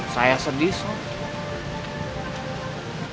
saya sedih sob